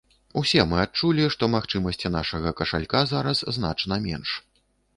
Усе мы адчулі, што магчымасці нашага кашалька зараз значна менш.